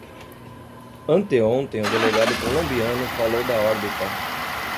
Anteontem o delegado colombiano falou “da órbita"